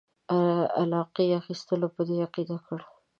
علاقې اخیستلو په دې عقیده کړ.